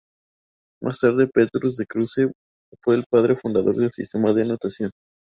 Más tarde, Petrus de Cruce fue el padre fundador del sistema de notación.